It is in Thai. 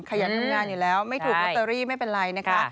ขยันทำงานอยู่แล้วไม่ถูกลอตเตอรี่ไม่เป็นไรนะคะ